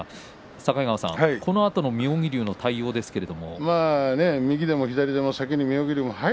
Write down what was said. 境川さん、このあとの妙義龍の対応ですけども。